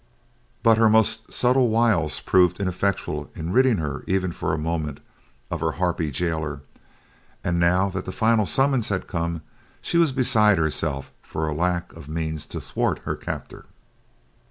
But her most subtle wiles proved ineffectual in ridding her, even for a moment, of her harpy jailer; and now that the final summons had come, she was beside herself for a lack of means to thwart her captor.